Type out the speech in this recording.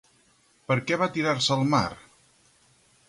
Per què va tirar-se al mar?